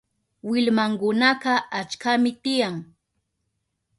Willmankunaka achkami tiyan.